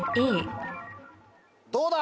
どうだ！